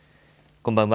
こんばんは。